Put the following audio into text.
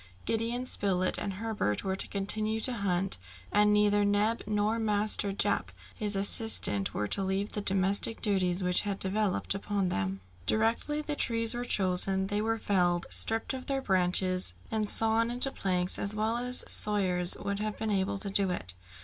Gideon Spilett and Herbert were to continue to hunt, and neither Neb nor Master Jup his assistant were to leave the domestic duties which had devolved upon them. Directly the trees were chosen, they were felled, stripped of their branches, and sawn into planks as well as sawyers would have been able to do it.